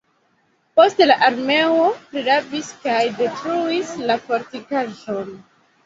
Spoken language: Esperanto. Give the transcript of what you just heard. Poste la armeo prirabis kaj detruis la fortikaĵon.